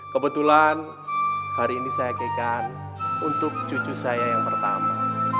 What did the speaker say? kebetulan hari ini saya kekan untuk cucu saya yang pertama